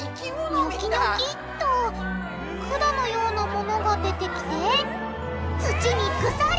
ニョキニョキっと管のようなものが出てきて土にぐさり！